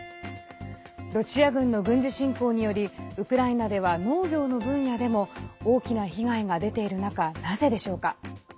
ロシア軍の軍事侵攻によりウクライナでは農業の分野でも大きな被害が出ている中なぜでしょうか。